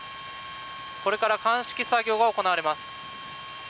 これから鑑識作業が行われます。